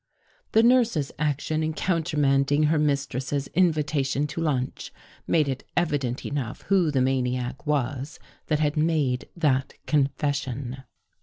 The nurse's action in countermanding her mistress's invitation to lunch made it evident enough who the maniac was that had made that confession.